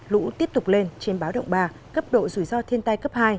lũ tiếp tục lên trên báo động ba cấp độ rủi ro thiên tai cấp hai